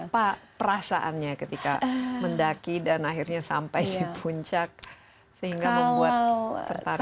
apa perasaannya ketika mendaki dan akhirnya sampai di puncak sehingga membuat tertarik